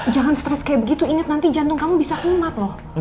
jangan stres kayak begitu ingat nanti jantung kamu bisa umat loh